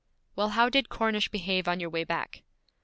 'Well, how did Cornish behave on your way back?'